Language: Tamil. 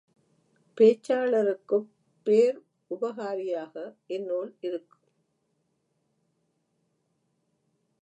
பேச்சாளருக்குப் பேருபகாரியாக இந்நூல் இருக்கும்.